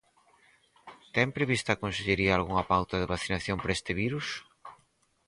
¿Ten prevista a Consellería algunha pauta de vacinación para este virus?